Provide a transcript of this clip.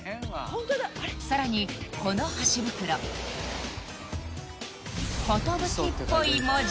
さらにこの箸袋「寿」っぽい文字